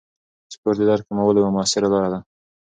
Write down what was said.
سپورت د درد کمولو یوه موثره لاره ده.